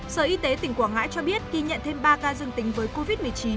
sở y tế tỉnh quảng ngãi cho biết ghi nhận thêm ba ca dương tính với covid một mươi chín